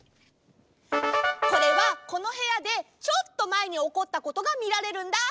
これはこのへやでちょっとまえにおこったことがみられるんだ。